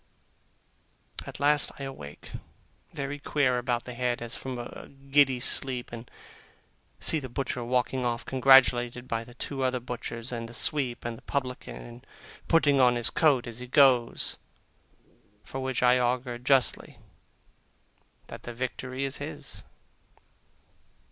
At last I awake, very queer about the head, as from a giddy sleep, and see the butcher walking off, congratulated by the two other butchers and the sweep and publican, and putting on his coat as he goes; from which I augur, justly, that the victory is his.